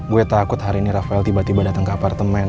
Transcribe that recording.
gue takut hari ini rafael tiba tiba datang ke apartemen